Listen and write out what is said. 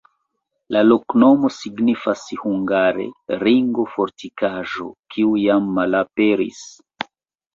La loknomo signifas hungare: ringo-fortikaĵo, kiu jam malaperis.